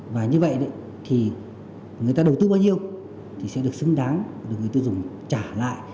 và như vậy thì người ta đầu tư bao nhiêu thì sẽ được xứng đáng được người tiêu dùng trả lại